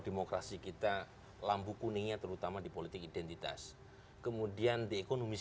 demokrasi kita lambu kuningnya terutama di politik identitas kemudian the economist